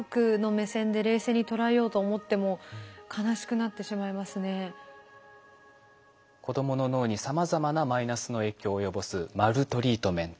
やっぱりどうしても子どもの脳にさまざまなマイナスの影響を及ぼすマルトリートメント。